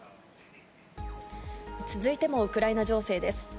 続いてもウクライナ情勢です。